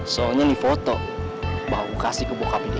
soalnya ini foto bahwa gue kasih ke bokap dia